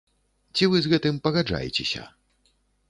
Ці вы з гэтым пагаджаецеся?